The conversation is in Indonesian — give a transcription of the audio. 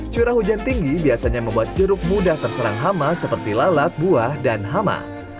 curah hujan tinggi biasanya membuat jeruk mudah terserang hama seperti lalat buah dan hama